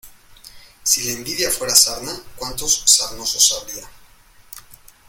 Si la envidia fuera sarna, cuantos sarnosos habría.